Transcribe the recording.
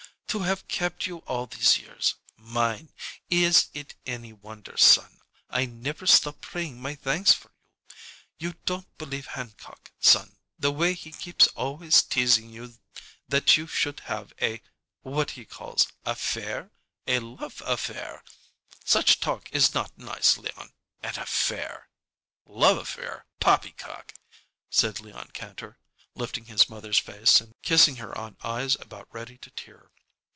To have kept you all these years mine is it any wonder, son, I never stop praying my thanks for you? You don't believe Hancock, son, the way he keeps always teasing you that you should have a what he calls affair a love affair? Such talk is not nice, Leon an affair!" "Love affair poppycock!" said Leon Kantor, lifting his mother's face and kissing her on eyes about ready to tear.